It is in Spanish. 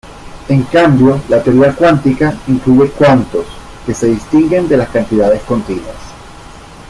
En cambio, la teoría cuántica incluye cuantos, que se distinguen de las cantidades continuas.